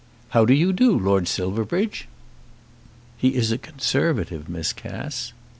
How do you do, Lord Silverbridge?" "He is a Conservative, Miss Cass."